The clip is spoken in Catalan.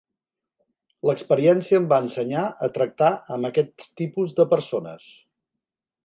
L'experiència em va ensenyar a tractar amb aquest tipus de persones.